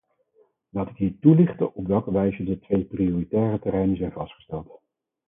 Laat ik hier toelichten op welke wijze de twee prioritaire terreinen zijn vastgesteld.